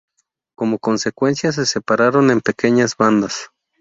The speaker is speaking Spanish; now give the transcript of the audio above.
Como consecuencia, se separaron en pequeñas bandas.